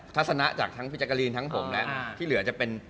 ทัศนะจากทั้งพี่แจกรีนทั้งผมและที่เหลือจะเป็น